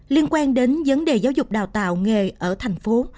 liên quan đến vấn đề giáo dục đào tạo nghề ở thành phố